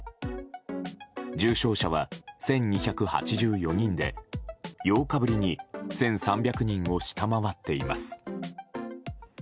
重症者は１２８４人で８日ぶりに１３００人を下回っています。